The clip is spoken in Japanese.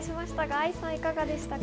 愛さん、いかがでしたか？